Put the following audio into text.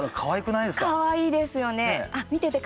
かわいいですよね。